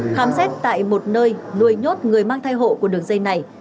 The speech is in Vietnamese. khám xét tại một nơi nuôi nhốt người mang thai hộ của đường dây này